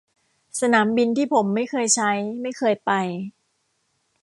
สนามบินที่ผมไม่เคยใช้ ไม่เคยไป